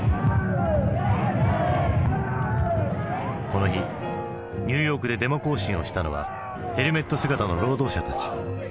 この日ニューヨークでデモ行進をしたのはヘルメット姿の労働者たち。